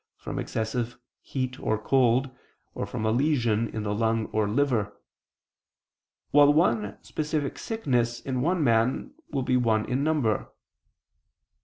from excessive heat or cold, or from a lesion in the lung or liver; while one specific sickness in one man will be one in number.